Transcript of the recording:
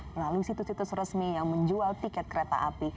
melalui situs situs resmi yang menjual tiket kereta api